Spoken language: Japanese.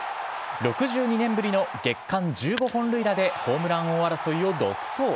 ６２年ぶりの月間１５本塁打でホームラン王争いを独走。